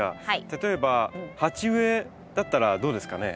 例えば鉢植えだったらどうですかね？